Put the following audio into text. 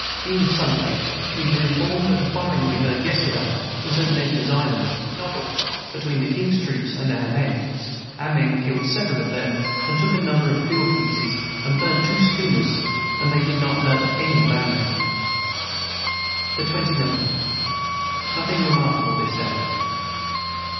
Being Sunday we were informed that the firing we heard yesterday was at Nedlers Island between the Kings troops and our men, our men killed several of them and took a number of field pieces and burnt two Schooners and they did not hurt any of our men. [Footnote 116: Noddle's.] the 29. Nothing remarkable this day.